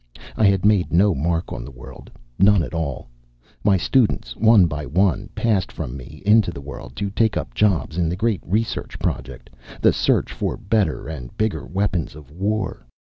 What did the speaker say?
I had made no mark on the world, none at all. My students, one by one, passed from me into the world, to take up jobs in the great Research Project, the search for better and bigger weapons of war.